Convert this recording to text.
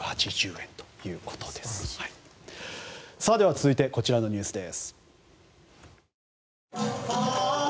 続いてこちらのニュースです。